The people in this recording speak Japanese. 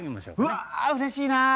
うわうれしいな。